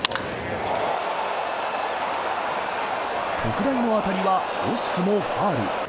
特大の当たりは惜しくもファウル。